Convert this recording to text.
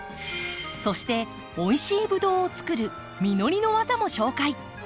そしておいしいブドウをつくる実りのわざも紹介。